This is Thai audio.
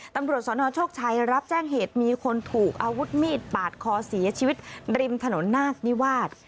ตำรวจสนโชคชัยรับแจ้งเหตุมีคนถูกอาวุธมีดปาดคอเสียชีวิตริมถนนนาคนิวาส